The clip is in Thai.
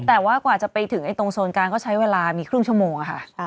แต่ว่ากว่าจะไปถึงตรงโซนกลางก็ใช้เวลามีครึ่งชั่วโมงค่ะ